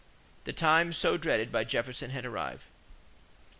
The time so dreaded by Jefferson had arrived.